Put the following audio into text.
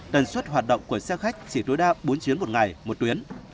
tần suất hoạt động của xe khách chỉ tối đa bốn chuyến một ngày một tuyến